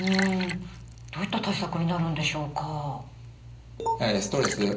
どういった対策になるんでしょうか？